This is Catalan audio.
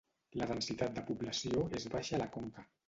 La densitat de població és baixa a la Conca.